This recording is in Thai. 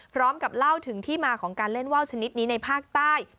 พร้อมกับเล่าถึงที่มาของการเล่นว่าวชนิดนี้ในภาคใต้